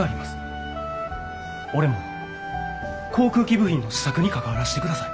俺も航空機部品の試作に関わらしてください。